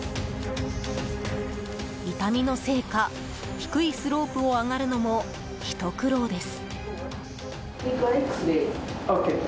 痛みのせいか、低いスロープを上がるのもひと苦労です。